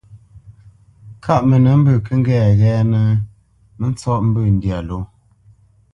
Kâʼ mənə mbə̂ kə́ ŋgɛ́nə ghɛ́ɛ́nə́, mə ntsɔ́ʼ mbə̂ ndyâ ló.